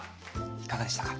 いかがでしたか？